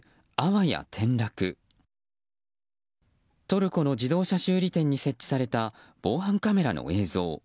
トルコの自動車修理店に設置された防犯カメラの映像。